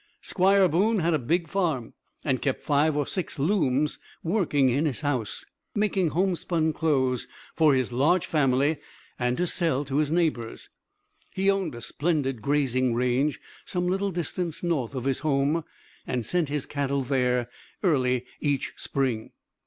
Squire Boone had a big farm, and kept five or six looms working in his house, making homespun clothes for his large family and to sell to his neighbors. He owned a splendid grazing range some little distance north of his home, and sent his cattle there early each spring.